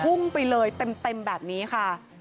พุ่งไปเลยเต็มแบบนี้ค่ะ